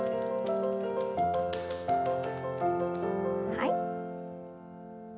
はい。